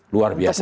luar biasa besar